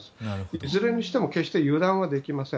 いずれにしても決して油断はできません。